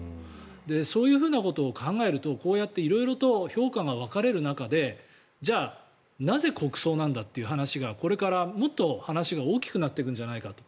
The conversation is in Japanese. そういうふうなことを考えるとこうやって色々と評価が分かれる中でじゃあ、なぜ国葬なんだという話がこれからもっと話が大きくなってくるんじゃないかと。